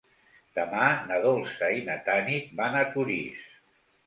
Demà na Dolça i na Tanit van a Torís.